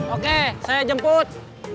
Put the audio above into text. oke saya jemput